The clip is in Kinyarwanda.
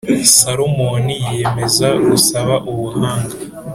Salomoni yiyemeza gusaba Ubuhanga